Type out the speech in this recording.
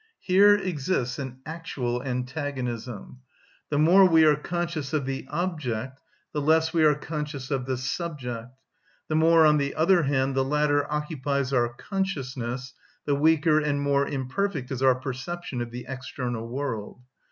Here exists an actual antagonism. The more we are conscious of the object, the less we are conscious of the subject; the more, on the other hand, the latter occupies our consciousness, the weaker and more imperfect is our perception of the external world.